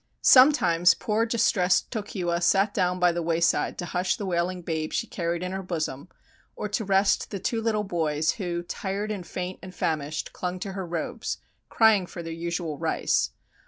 Sometimes poor distressed Tokiwa sat down by the wayside to hush the wailing babe she carried in her bosom, or to rest the two little boys, who, tired and faint and famished, clung to her robes, crying for their usual rice.